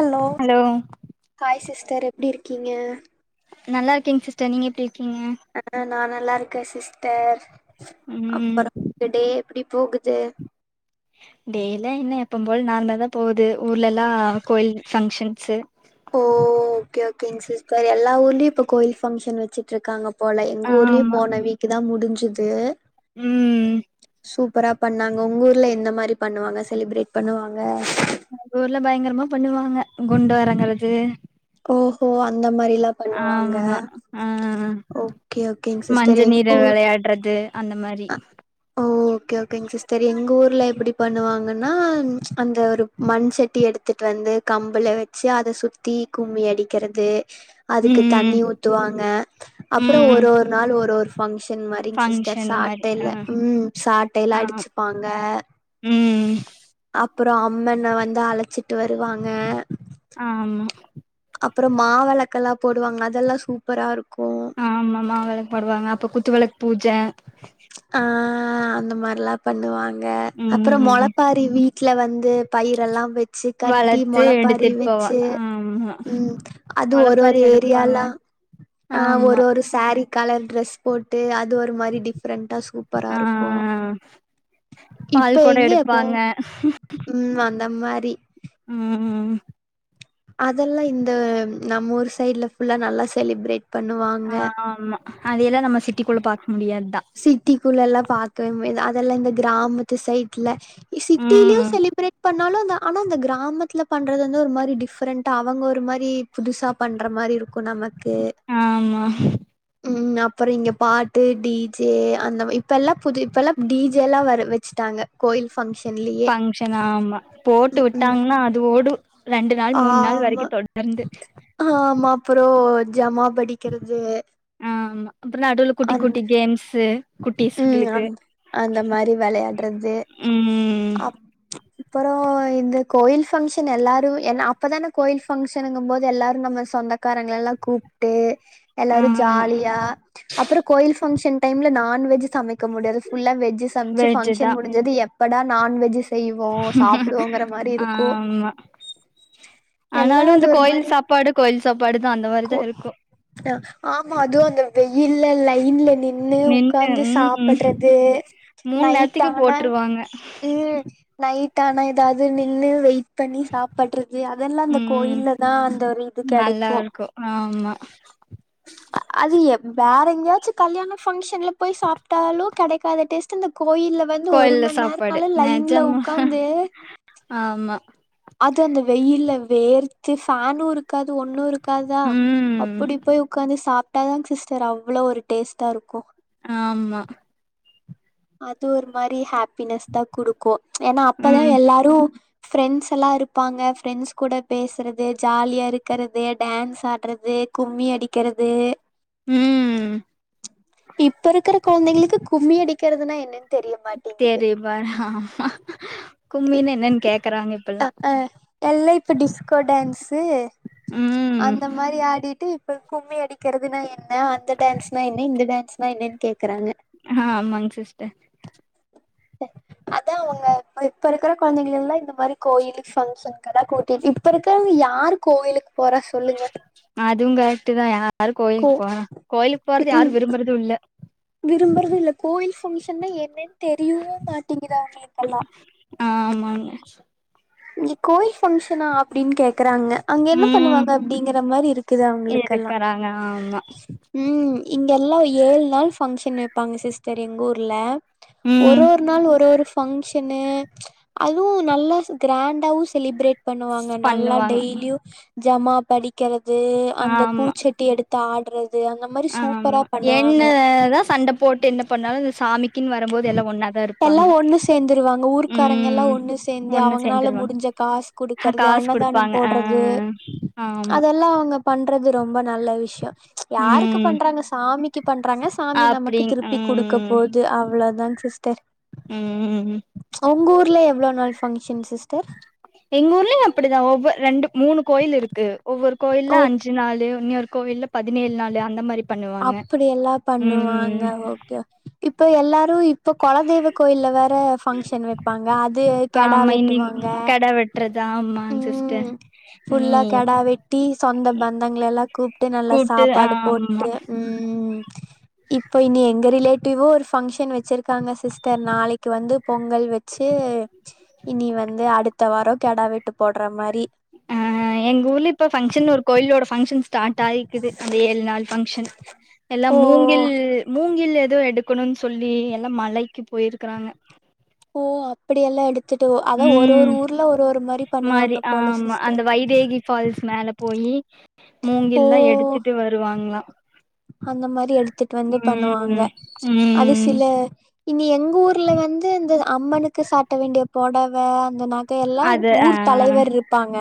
Hello hi sis sir எப்படி இருக்கீங்க நல்லா இருக்கீங்க சிஸ்டர் நீங்க எப்படி ஆஹ் நான் நல்லா இருக்கேன் ஒகே சிஸ்டர் ம் அப்பறம் டே எப்படி போகுது டெய்ல இன்னும் எப்ப போல நார்மல் தான் போகுது ஊர்ல எல்லாம் கோயில் ஃபங்க்ஷன்ஸ் ஓ ஓகே ஓகே சிஸர் எல்லா ஊர்லய இப்ப கோயில் ப்பயங்க்ஷன் வச்சிட்டு இருக்காங்க போல போல எங்க ஊர்லயும் போன வீக்கு தான் முடி்சு இது உம் சூப்பராக பண்ணாங்க உங்க ஊர்ல எந்த மாதிரி பண்ணுவாங்க செலிப்ரேட் பண்ணுவாங்க அ ஊர்ல பயங்கரமா பண்ணுவாங்க குண்டு வரங்கிறது ஓஹோ அந்த மாதிரி ஆமா ஆஹ் ஓகே ஓகேங்க சிஸ்டர் மஞ்சள் எங்க நீரை ஊர் விளையாடுறது அந்த மாதிரி ஓ ஓகே ஓகேங்க சிஸ்டர் எங்கள் ஊரில் எப்படி பண்ணுவாங்கன்னா அந்த ஒரு மண்டி எடுத்துகிட்டு வந்து கம்பில் வச்சு அதை சுற்றி கும்மி அடிக்கிறது அதுக்கு ம் தண்ணி ஊத்துவாங்க அப்புறம் ம் ஒரு ஒரு நாள் ஒரு ஒரு ப்ஷன் ன் மரிங் சிஸ்டர்ஸ் ஃபங்க்ஷன் ஆட் மாரி ஆ உம் சாட்டை ஆ எல்லாம் அடிச்சுப்பாங்க ம் அப்புறம் அம்மனை வந்து அழைச்சிட்டு வருவாங்க ஆமா அப்புறம் மா ளக்கெல்லாம் போடுவாங்க அதெல்லாம் சூப்பரா இருக்கும் ஆ ஆமாமா விளக்கு பாடுவாங்க அப்ப குத்து விளக்கு பூஜா ஆஹ அந்த மாதிரல்லாம் பண்ணுவாங்க அப்புறம் ம் மோளப்பாரி வீ வீட்ல வந்து பயிரெல்லாம் வச்சு கட்டி வளத்து முளைப்பாரி எடுத்துட்டு வச்சு போவாங்க ஆமா உம் அது ஒரு மொளப்பாரி ஒரு எடுப்பாங்க ஏரியால்லாம் ஆஹ் ஆமா ஒரு ஒரு சார கலர் ட்ரெஸ் போட்டு அது ஒரு மாதிரி டிஃபரண்டா சூப்பரா ஆ இருக்கும் இப்ப பால் கொடோ எங்கப்போ எடுப்பாங்க உ வ இந்தந்த மாதிரி உஹம் உ அதெல்லாம் இந்த நம்ம ஊரு சைட்ல புல்லா நல்லா செலிப்ரேட் பண்ணுவாங்க அதையெல்லாம் நம்ம சிட்டிக்குள்ள ப பா்க்க முடியாது சிட்டிக்குள்ள எல்லாம் பாவே அதெல்லாம் இந்த கிராமத்து சைட்ல ம் சிட்டிலயும் செலிப்ரேட் பண்ணாலும் தான் ஆனா அந்த கிராமத்துல பண்றது வந்து ஒரு மாதிரி டிஃப்ரெண்ட்டா அவங்க ஒரு மாதிரி புதுசா பண்ற மாதிரி இருக்கும் நமக்கு ஆமா உம் அப்புறம் இங்க பாட்டு டீ ஜ அந்த இப்ப எல்லாம் புது இப்ப எல்லாம் டிஜேல்லாம் வ வச்சுட்டாங்க கோய ஃபங்க்ஷன ஆமா போட்டு ம் ம் விட்டாங்கன்னா அது ஓடும் ஆமா ஆஹ ஆமா அப்புறம் ஜமா படிக்கிறது அப்புறம் நடுவுல குட்டி அந் குட்டி கேம்ஸு ம் குட்டிஸ்களுக்கு அந்த அந்த மாரி வெளையாடுறது உம் அப்புறம் இந்த கோயில் பங்க்ஷன் எல்லாரும் இப்பதான கோயில் பங்கஷங்கபோது எல்லாரும் நம்ம சொந்தக்காரங்கள எல்லாம் கூப்பிட்டு எல்லாரும் ஆமா ஜாலியா பங்கஷன் டைம்ல நான்வெஜ் சமைக்க சமக்க முடியாது புல்லா வெஜ்ஜு சமைச்சு வெஜ்ஜுதா பப்ஷன் முடிஞ்சது படா நான்வெஜ் செய்வோ சாப்டுவோங்கற மாரி இருக்கு ஆமா ஆனாலும் இந்த கோயில் சாப்பாடு கோயில் சாப்பாடுதா அந்த மாரிதா இருக்கு கோஹ ஆமா அதுவும் அந்த வெய இல்ல இல்ல இல் நின்று நின்னு உட்கார்ந்து ம் சாப்படுறது மூணு நைட் நேரத்துக்கு ஆனா போட்ருவாங்க உ நைட் கானா ஏதாவது நின்னு வெய பண்ணி சாப்படுறது அதெல்லாம் அந்த ம் கோயில்ல தான் அந்த ஒரு இது நல்லா கிடைக்கும் இருக்கு ஆமா அது எ வேற எங்கயாச்சும் கல்யண ஃபங்கஷன்ல போய் சாப்பிட்டாலும் கிடைக்காத டேஸ்ட் இந்த கோயில்ல வந்து ஒரு கோயில்ல மணி சாப்பாடு நேரனால லைன்ல நெஜமா உ்காந்து ஆமா அது அந்த வெயில்ல வேர்த்து பேனு இருக்காது ஒண்ணு இருக்கு உக்காதா ம் அப்படி போய் உட்காந்து சாப்ப அட்டா தாங்க சிஸ்டர் அவ்வளோ ஒரு டேஸ்ட்டாக இருக்கும் ஆமா அது ஒரு மாதிரி ஹாப்பி பினஸ் தான் குடுக்கும் ஏன்னா அப்பதான் ம் எல்லாரும் ஃப்ரெண்ட்ஸ் எல்லாம் இருப்பாங்க ஃப்ரெண்ட்ஸ் கூட பேசுறது ஜாலியாக இருக்கிறது டான்ஸ் ஆடுறது கும்மி அடிக்கிறது உம் இப்ப இருக்கற குழந்தைங்களுக்கு கும்மி அடிக்கிறதுனா என்ன தெரியுமா ஆமா கும்மின்னா என்னன்னு கேக்குறாங்க இப்பல்லாம் எல்லாம் இப்ப டிஸ்கோ டான்ஸு ம் அந்த மாதிரி ஆடிட்டு இப்ப கும்மி அடிக்கிறதுனா என்ன அந்த டான்ஸ்னா என்ன இந்த டான்ஸ்னா என்னன்னு கேக்குறாங்க ஆஹ் ஆமாங்க சிஸ்டர் அதான் அவங்க இப்ப இருக்கிற குழந்தைங்க இந்த மாதிரி கோயிலுக்கு ஃபங்க்ஷனுக்கு கூட்டிட்டு இப்ப இருக்கிறவங்க யார்ரு கோயிலுக்கு போறா சொல்லுங்க அதுங் கரக்டுதா யாரு கோ கோயிலுக்கு போற கோயிலுக்கு போறது யாரும் விரும்புறதும் இல்ல விரும்புறதுல்லை கோவில் பங்கஷன் தான் ஏ ஏன் தெரியவும் மாட்டீங்குதா அவுங்களுக்கெல்லாம் ஆ ஆமாங்க இங்க கோயில் ஃபங்க்ஷனா அப்படின்னு கேக் இருக்கறாங்க அங்க என்ன ம் பண்ணுவாங்க அப்படிங்கற மாதிரி இருக்குது அவங்களுக்கெல்லாம் இருக்கறாங்க ஆமா உம் இங்கெல்லாம் ஏழு நாள் ஃபங்க்ஷன் வைப்பாங்க சிஸ்டர் எங்கள் ஊர்ல ஒரு ம் ஒரு நாள் ஒரு ஒரு ஃங்க்ஷனு அதுவும் நல்லா கிராண்டாவும் செலிபிரேட் பண்ணுவாங்க நல்லா பண்ணுவாங்க டெய்லியும் ஜமா படிக்கிறது அ அந்த பூச்செட்டி எடுத்து ஆடுறது அந்த மாரி ஆ சூப்பரா ஆமா பண்ணுவாங்க என்னதான் சண்ட போட்டு பண்ணாலும் அந்த சாமிக்கு எல்லாம் ஒண்ணு சேர்ந்துருவாங்க ஊர்க்காரங்க எல்லாம் ம். ஒண்ணு சேர்ந்து ஒண்ணு அவங்கால சேர்ந்துருவாங்க. முடிஞ்ச காசு அ குடுக்கறது காசு அன்னதானம் குடுப்பாங்க. ஆ. போடுறது ஆமா. அதெல்லாம் அவங்க பண்ணுறது ரொம்ப நல்ல விஷயம் யாருக்கு ம். பண்றாங்க சாமி சாமிக்கு பண்றாங்க சாமி நமக்கு அப்டிங் திருப்பி கொடுக்க போது அவ அவ்வளோதாங்க சிஸ்டர் உஹம் உங்க ஊல எவ்ளோ நாள் பங்க்ஷன் சிஸ்டர் எங்க ஊர்லயும் அப்படிதான் ஒவ்வொரு ரெண்டு மூணு கோயில் இருக்கு ஒவ்வொரு கோயில்ல ஓ அஞ்சு நாலு இன்னோர் கோவில்ல பதினேழு நாள் அந்த மாதிரி அப்படிய எல்லாம் பண்ணுவாங்க ஓகேவ இப்ப எல்லாரும் இப்போ குலதய்வ கோயில்ல வேற பங்க்ஷன் வைப்பாங்க அது கெடா ஆமா. இன்னி வெட்டுவாங்க கெடா வெட்றது ஆமாங்க சிஸ்டர். உஹம் நீ ஃபுல்லா கெடா வெட்டி சொந்த பந்தங்கள எல்லாம் கூப்பிட்டு நல்லா கூட்டு சாப்பாடு போ ஆமா. உம் இப்ப இனி எங்க ரிலேட்டிவோ ஒரு பங்க்ஷன் வச்சிருக்காங்க சிஸ்டர் நாளைக்கு வந்து பொங்கல் வச்சு இனி வந்து அடுத்து அடுத்த வாரம் கிடா வெட்டு போடுற மாரி ஆஹ் எங்க ஊர்ல இப்ப பங்க்ஷன் ஒரு கோயிலோட பங்க்ஷன் ஸ்டார்ட் ஆயிக்குது அந்த ஏழு நாள் பங்க்ஷன் எல்லாம் ஓ மூங்கில் மூங்கில் ஏதோ எடு க்கணும்னு சொல்லி எல்லாம் மலைக்கு போயிருக்கறாங்க ஓ அப்படிய எல்லாம் எடுத்து உம் மாி பண்ணுவாங்க போல ஆமா சிஸ்டர் அந்த வைதேகி ஃபால்ஸ் மேல போயி ஓ மூங்கில்லாம் எடுத்துட்டு வருவாங்களா அந்த மாரி எடுத்துட்டு வந்து பண்ணுவாங்க ம் அது ம் சில இனி எங்க ஊர்ல வந்து இந்த அம்மனுக்கு சாட்ட வேண்டிய புடவ அந்த எல்லாம் அது ஆ ஊர் தலைவர் இருப்பாங்க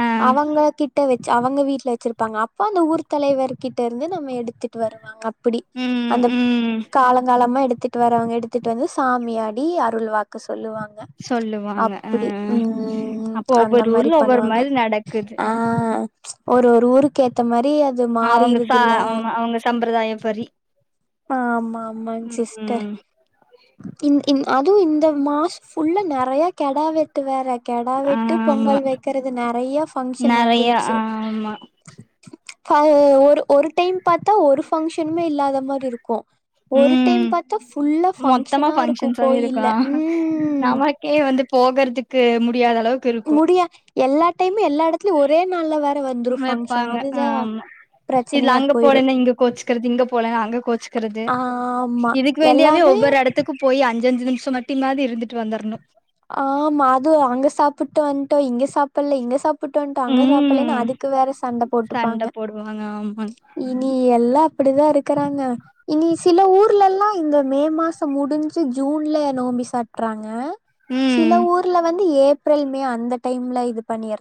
ஆ அவங்க கிட்ட அவங்க வீடல வச்சிருப்பாங்க அப்போ அந்த ஊர் தலைவர் கிட்ட இருந்து நம்ம எடுத்து எத்துட்டு வருவாங்க அப்படி ம் அந்த ம் காலங்காலமா எடுத்து எடுத்துட்டு வரவங்க எடுத்துட்டு வந்து சாமியாடி அருள் வாக்கு சொல் சொல்லுவாங்க சொல்லுவாங்க ஆ அப்படி உம் அப்போ அந்த ஒவ்வொரு மாரி ஊர்ல ஒவ்வொரு பண்ணுவாங்க மாரி நடக்குது ஆஹ் ஒரு ஒரு ஊருக்கு ஏத்த மா ரி அது அவங்க ச மாறிருதுல்ல ஆமா அவங்க சம்பிரதாய பரி ஆஹ் ஆமா ஆமா சிஸ்டர் ம் இன் இன் அதுவும் இந்த மாசம் ஃபுல்லாக நிறையா கெட வெட்டு வேற கெடா வெட்டு ஆமா பொங்கல் வைக்கறது நிறைய பங்க்ஷன் நெறைய வந்துருச்சு ஆமா அது ஒரு ஒரு டைம் பார்த்தா ஒரு ஃங்க்ஷனுமே இல்லாத மாரி இருக் கோ ஒரு ம் டைம் பார்த்தா ஃபுல்லா மொத்தமா பங்க்ஷனா இருக்கும் ஃபங்க்ஷன்ஸாவே கோயில்ல இருக்கு உம்ம்ம்ம் க்கு முடியா எல்லா டைமும் எல்லா இடத்துலயும் ஒரே நாள்ல வற வைப்பாங்க ஆமா இதுல பிரச்சனையா அங்க போயிரு போலேன்னா இங்க கோச்சுக்கிறது இங்க போலன்னா அங்க கோச்சுக்கிறது ஆமா இதுக்கு வேண்டியாவே எல்லாமே ஒவ்வொரு இடத்துக்கும் போய் அஞ்ச அஞ்ச அஞ்ச நிமிஷம் மட்டி மாதி இருந்துட்டு வந்துரணும் ஆஹ் மாது அங்க சாப்பிட்டு வன்டா இங்க சாப்பல இங்க சாப் சாப்பிட்டோன்ட்டோ அங்க சாப்பிடலன்னா ம் அதுக்கு வேற சண்ட சண்ட போட்டுப்பாங்க போடுவாங்க ஆமாங் இனி எல்லா இப்படி தான் இருக்கிறாங்க இனி சில ஊர்லெல்லாம் இந்த மே மாசம் முடிஞ்சு ஜூன்ல நோம்பி சாட்டுறாங்க சில ம் ஊர்ல வந்து ஏ ஏப்ரல் மே அந்த டைம்ல இது பண்ணிய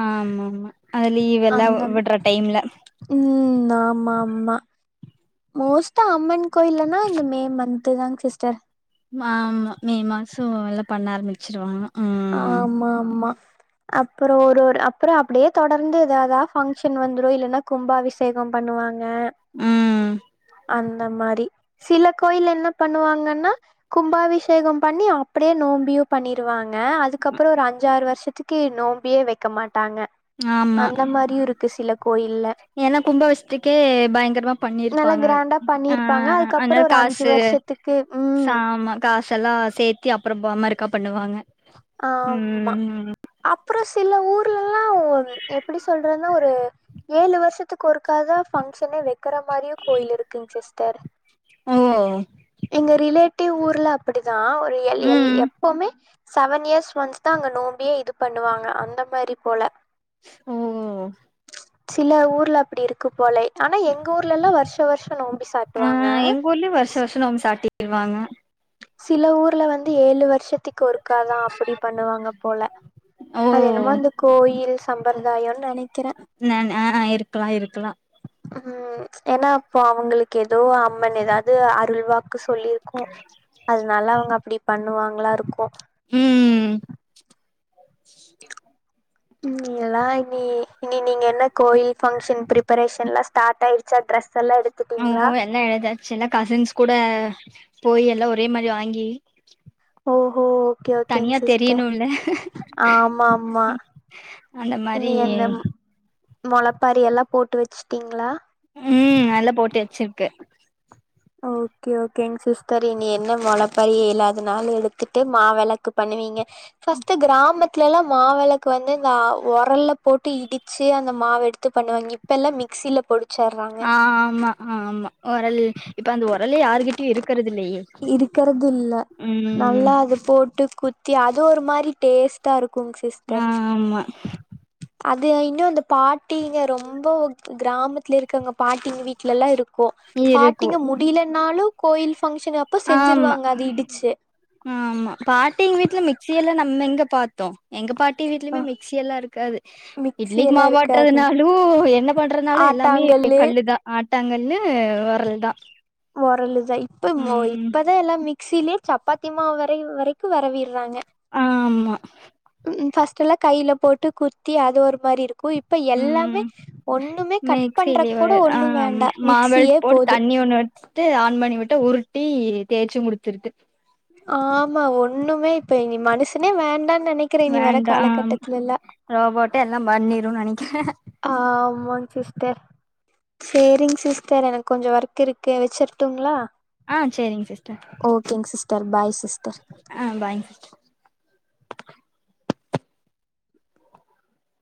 ஆ ஆமா ஆமா அதிலயே லீவல்லா விட்ற டைம்ல நா ஆமாமா மோஸ்தா அம்மன் கோயலன்னா இந்த மே மந்த் இதுதாங் சிஸ்டர் ஆமா மே மாசம் எல்லாம் பண்ண ஆரம்பிக்க ஆமா ஆமா அப்புறோம் ஒரு ஒரு அப்புறோம் அப்டியே தொடர்ந்து எதாதா பங்க்ஷன் வந்துரும் இல்லன்னா கும்பாபிஷேகம் பண்ணுவாங்க ம் ஆ அந்த மாரி சில கோயில்ல என்ன பண்ணுவாங்கன்னா கும்பாபிஷேகம் பண்ணி அப்டியே நோம்பயும் பண்ணிருவாங்க ஆ அதுக்கப்புறோம் ஒரு அஞ்சாறு வருஷத்துக்கு நோம்பியே வைக்க மாட்டேன் மாட்டாங்க ஆமா அந்த மாரியு இருக்கு சில கோயில்ல ஏன்னா கும்பபஷத்துக்கே பயங்கரமா நல்லா பண்ணிருப்பாங்க கிராண்டா ஆ பண்ணிருப்பாங்க அதுக்கப்புறோ அதனால ஒரு அஞ்சு காசு வருஷத்துக்கு ம் சாம காசு எல்லாம் சேத்தி அ அப்புறோம் பொமருக்கா பண்ணுவாங்க ஆமா ம் அப்புறோம் சில ஊர்லல்லாம் எப்டி சொல்றன்னா ஒரு ஏழு வருஷத்துக்கு ஒருக்காத பங்க்ஷனே வக்கிறது இருக்கற மாரியே கோயில் இருக்குங்க சிஸ்டர் சித்தர் ஓ எங்க ரிலேட்டிவ் ஊர்ல அப்டிதான் நான் ஒரு எழ் எழ் ம் எப்பவுமே செவன் இயர்ஸ் ஒன்ஸ் தான் அங்க நோம்பியே இது பண்ணுவாங்க அந்த மாரி போல ஓ சில ஊர்ல அப்டி இருக்கு போல ஆனா எங்க ஊர்லல்லாம் வருஷோம் வருஷோம் நோம்பி சாட்டுவாங்க இருவாங்க சில ஊர்ல வந்து ஏழு வருஷத்து வருஷசத்திக்கு ஒருக்காதான் அப்டி பண்ணுவாங்க போல ஓ அது என்னமோ அந்த கோயில் சம்பிரதாயம் நான் ஆ இருக்கலாம் இருக்கலாம் உம் ஏன்னா அப்போ அவங்களுக்கு ஏதோ அம்மன் ஏதாவது அருள்வா க்கு சொல்லிருக்கும் அது நல்லா அவங்க அப்படி பண்ணுவாங்க நல்லா இருக்கு உம் நீயெல்லாம் இனி இனி நீங்க என்ன கோயில் பங்ஷன் பிரிப்பரேஷன்ல தாத்தயிச்ச டிரஸ் ஓ எல்ல எதுச்சு எல்லா கசின்ஸ் கூட போய் எல்லாம் ஒரே மாதிரி வாங்கி ஓஹோ ஓகே ஓகேங்க தனியா சிஸ்டர் தெரியணுல்ல ஆமா ஆமா அந்த மாரி நீ என்ன மொளப்பாரி எல்லாம் போட்டு வச்சுட்டிங்களா உம் நல்லா போட்டி வச்சிருக்க ஓகே ஓகேங்க சிஸ்டர் நீ என்ன மொளப்பாறி இலாதனால எடுத்துட்டு மாவிளக்கு பண்ணுவீங்க பஸ்ட்ட் கிராமத்துல எல்லாம் மாவிளக்கு வந்து இந்த உரல்ல போட்டு இடிச்சு அந்த மாவு எடுத்து பண்ணுவாங்க இப்ப எல்லாம் மிக்சியில போடு ஆஹ் ஆமா ஆஆமா உரல் இப்ப அந்த உரல யாருகிட்டயும் இருக்கறது இல்லையே இருக்கறது இல்ல உம் நல்லா அது போட்டு குத்தி அது ஒரு மாதிரி டேஸ்ட்டா இருக்கும் குங்க சிஸ்டர் ஆமா அது இன்னும் அந்த பாட்டிங்க ரொம்ப கிராமத்துல இருக்கவங்க பாட்டிங்க வீட்ல எல்லாம் இருக்கும் இருக்கு பாட்டிங்க முடியலனாலும் கோயில் ஃபங்க்ஷன் அப்ப ஆமா செஞ்சிருவாங்க அது இடிச்சு ஆமா பாட்டிங்க வீட்டுல மிக்சி எல்லாம் நம்ம எங்க பார்த்தோம் எங்க பாட்டி ஆ வீடலயுமே மிக்சி எல்லாம் இருக்காது மிக்சி இட்லிக்கு எல்லா இருக்காது மாவாட்டறதுனாலும் என்ன பண்றதுனாலும் எல்லாமே ஆட்டாங்கல்லு கல்லுதான் ஆ ஆட்டாங்கல்லு உரலு தான் உரலு இப்ப இப்பதான் எல்லாம் மிக் ஸிலே சப்பாத்தி மாவு வரை வரைக்கும் வரவிரு றாங்க ஆமா உ பஸ்ட் ல்லாம் கையில போட்டு குத்தி அது ஒரு மாதிரி இருக்கும் இப்ப எல்லாமே ம் ஒண்ணுமே கட் பண்ற மிக்சிலயே கூட ஒண்ணும் ஆமா வேண்டாம் மிக்சியே போதும் விட்டு ஆன் பண்ணி விட்டு உருட்டி தேய்ச்சு குடுத்துருது ஆமா ஒண்ணுமே இப்ப நீனி மனுஷனே வேண்டாம் வேண்டாம் ஆ ரோபோட்டே எல்லாம் பண்ணிரும்னு நினைக்கிறேன் ஆஹ் ஆமாங்க சிஸ்டர் சரிங்க சிஸ்டர் எனக்கு கொஞ்சம் ஒர்க் இருக்கு வச்சிருட்டுங்களா ஆஹ் சரிங்க சிஸ்டர் கே பாய் சி ஆஹ் பாய்